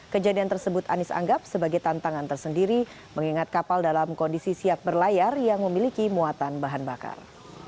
kejadian tersebut anies anggap sebagai tantangan tersendiri mengingat kapal dalam kondisi siap berlayar yang memiliki muatan bahan bakar